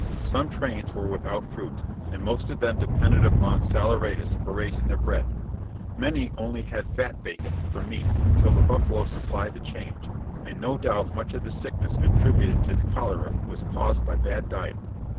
Some trains were without fruit, and most of them depended upon saleratus for raising their bread. Many had only fat bacon for meat until the buffalo supplied a change; and no doubt much of the sickness attributed to the cholera was caused by bad diet.